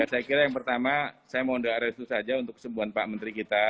ya saya kira yang pertama saya mohon beraris itu saja untuk sembuhan pak menteri kita